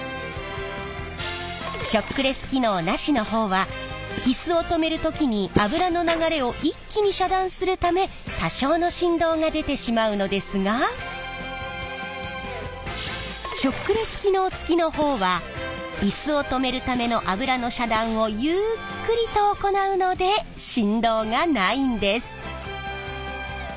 ショックレス機能なしの方はイスを止める時に油の流れを一気に遮断するため多少の振動が出てしまうのですがショックレス機能付きの方はイスを止めるための油の遮断をゆっくりと行うので振動がないんです。